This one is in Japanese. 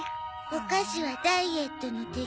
お菓子はダイエットの敵。